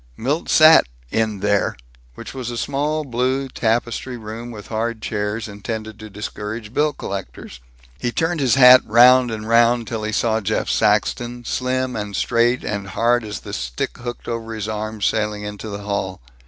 Milt sat in there, which was a small blue tapestry room with hard chairs intended to discourage bill collectors. He turned his hat round and round and round, till he saw Jeff Saxton, slim and straight and hard as the stick hooked over his arm, sailing into the hall.